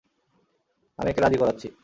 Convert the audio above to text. আমি একে রাজি করাচ্ছি।